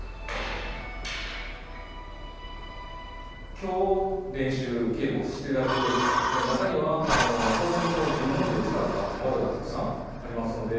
今日練習稽古して頂く中には当然この十文字を使った技がたくさんありますので。